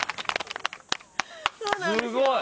すごい！